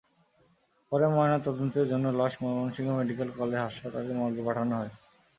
পরে ময়নাতদন্তের জন্য লাশ ময়মনসিংহ মেডিকেল কলেজ হাসপাতালের মর্গে পাঠানো হয়।